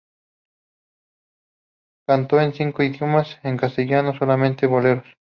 Cantó en cinco idiomas, en castellano solamente boleros.